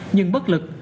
nhưng bất lực